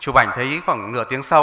chụp ảnh thấy khoảng nửa tiếng sau